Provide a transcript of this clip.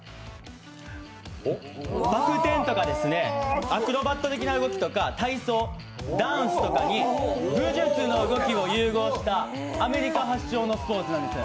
バク転とかですね、アクロバット的な動きとか、体操、ダンスとかに武術の動きを融合したアメリカ発祥のスポーツなんです。